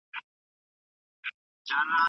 پرشتي د خدای له امر څخه سرغړونه نه کوي.